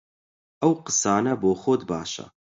ئەو قسانە بۆ خۆت باشە!